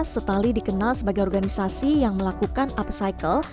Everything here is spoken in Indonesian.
setali dikenal sebagai organisasi yang melakukan upcycle